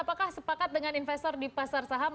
apakah sepakat dengan investor di pasar saham